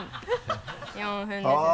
４分ですね。